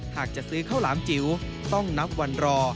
หากจะซื้อข้าวหลามจิ๋วต้องนับวันรอ